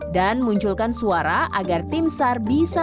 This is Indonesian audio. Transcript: dan munculkan suara agar timsar bisa